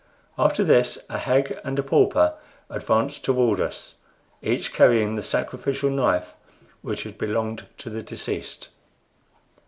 After this a hag and a pauper advanced toward us, each carrying the sacrificial knife which had belonged to the deceased.